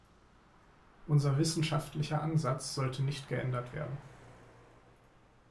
Unser wissenschaftlicher Ansatz sollte nicht geändert werden.